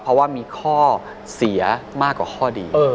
เพราะว่ามีข้อเสียมากกว่าข้อดี